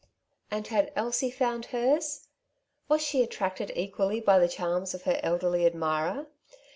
And had Elsie found hers ? Was she attracted equally by the charms of her elderly admirer